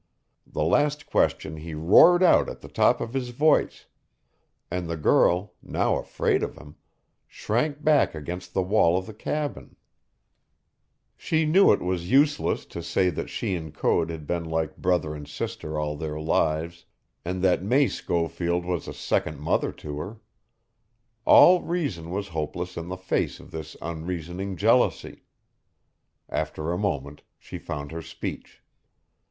The last question he roared out at the top of his voice, and the girl, now afraid of him, shrank back against the wall of the cabin. She knew it was useless to say that she and Code had been like brother and sister all their lives, and that May Schofield was a second mother to her. All reason was hopeless in the face of this unreasoning jealousy. After a moment she found her speech.